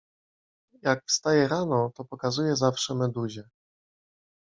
— Jak wstaję rano, to pokazuję zawsze Meduzie.